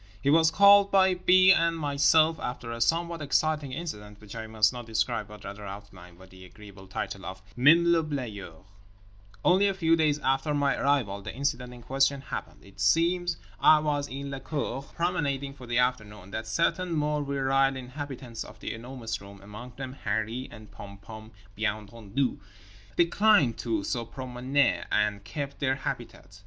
He was called by B. and myself, after a somewhat exciting incident which I must not describe, but rather outline, by the agreeable title of Même le Balayeur. Only a few days after my arrival the incident in question happened. It seems (I was in la cour promenading for the afternoon) that certain more virile inhabitants of The Enormous Room, among them Harree and Pom Pom bien entendu, declined to se promener and kept their habitat.